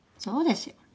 そうですよ。